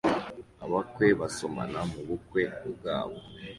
abakwe basomana mubukwe bwabo